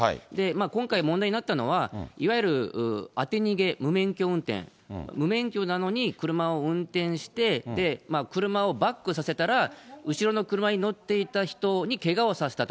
今回問題になったのは、いわゆる当て逃げ、無免許運転、無免許なのに車を運転して、車をバックさせたら、後ろの車に乗っていた人にけがをさせたと。